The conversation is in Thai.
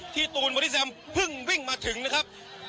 ที่ตูนบริษัทแหลมเพิ่งวิ่งมาถึงนะครับ